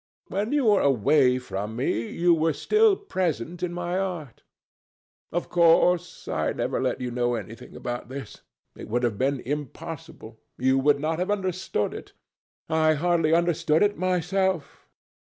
When you were away from me, you were still present in my art.... Of course, I never let you know anything about this. It would have been impossible. You would not have understood it. I hardly understood it myself.